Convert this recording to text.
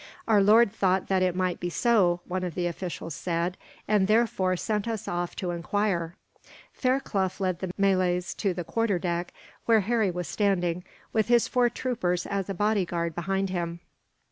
"Our lord thought that it might be so," one of the officials said, "and therefore sent us off to enquire." Fairclough led the Malays to the quarterdeck, where Harry was standing, with his four troopers as a bodyguard behind him.